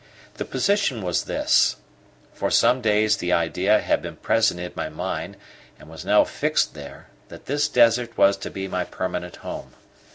The position was this: for some days the idea had been present in my mind, and was now fixed there, that this desert was to be my permanent home.